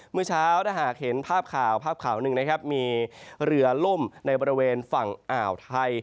เมื่อเช้าถ้าหากเห็นภาพข่าวภาพข่าวหนึ่งนะครับมีเรือล่มในบริเวณฝั่งอ่าวไทย